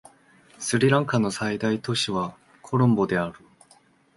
スリランカの最大都市はコロンボである